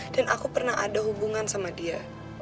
dan aku pernah ada hubungan sama dia